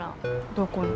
どこに？